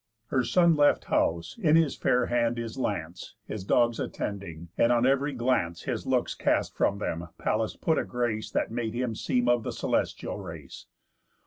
Her son left house, in his fair hand his lance, His dogs attending; and, on ev'ry glance His looks cast from them, Pallas put a grace That made him seem of the celestial race.